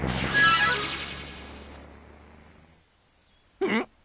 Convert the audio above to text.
うん？